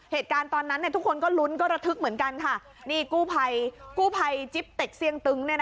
เหตุการณ์ตอนนั้นทุกคนก็ลุ้นก็ระทึกเหมือนกันค่ะนี่กู้ภัยกู้ภัยจิ๊บเต็กเสี่ยงตึง